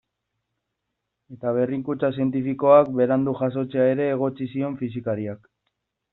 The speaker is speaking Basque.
Eta berrikuntza zientifikoak berandu jasotzea ere egotzi zion fisikariak.